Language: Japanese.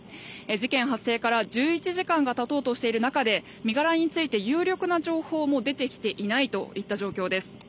事件発生から１１時間が経とうとしている中で身柄について有力な情報も出てきていないといった状況です。